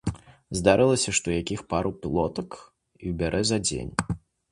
Здаралася, што якіх пару плотак і ўбярэ за дзень.